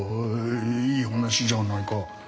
いい話じゃないか。